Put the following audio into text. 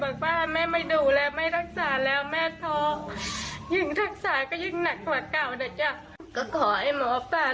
ก็ขอไอ้หมอปลาลงมาช่วยนะจ๊ะ